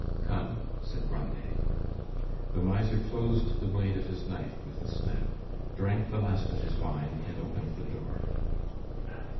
"Come!" said Grandet. The miser closed the blade of his knife with a snap, drank the last of his wine, and opened the door.